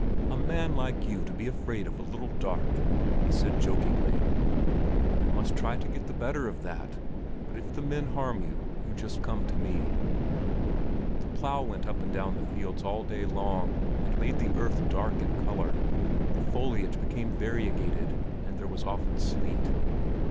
"A man like you to be afraid of a little dark!" he said jokingly. "You must try to get the better of that. But if the men harm you, just you come to me." The plough went up and down the fields all day long, and made the earth dark in color, the foliage became variegated, and there was often sleet.